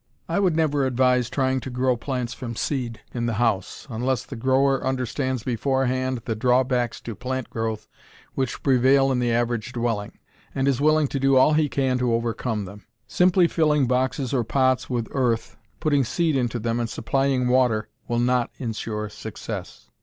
I would never advise trying to grow plants from seed, in the house, unless the grower understands beforehand the drawbacks to plant growth which prevail in the average dwelling, and is willing to do all he can to overcome them. Simply filling boxes or pots with earth, putting seed into them, and supplying water will not insure success.